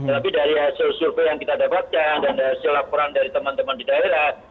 tapi dari hasil survei yang kita dapatkan dan hasil laporan dari teman teman di daerah